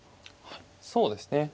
そうですね。